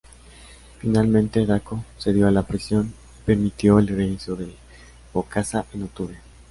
Finalmente Dacko cedió a la presión y permitió el regreso de Bokassa en octubre.